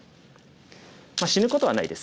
まあ死ぬことはないです。